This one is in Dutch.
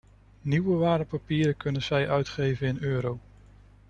Nieuwe waardepapieren kunnen zij uitgeven in euro.